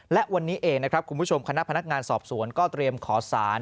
และวันนี้เองนะครับคุณผู้ชมคณะพนักงานสอบสวนก็เตรียมขอสาร